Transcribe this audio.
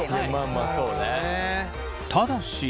ただし。